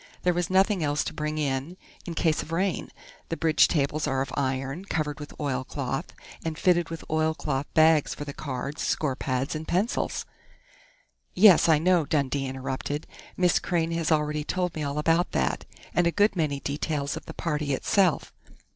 There was nothing else to bring in, in case of rain. The bridge tables are of iron, covered with oilcloth, and fitted with oilcloth bags for the cards, score pads, and pencils " "Yes, I know," Dundee interrupted. "Miss Crain has already told me all about that, and a good many details of the party itself....